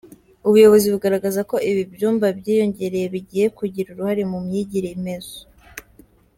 Ubuyobozi bugaragaza ko ibi byumba byiyongereye bigiye kugira ruhare mu myigire inoze.